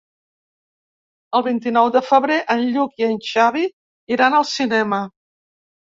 El vint-i-nou de febrer en Lluc i en Xavi iran al cinema.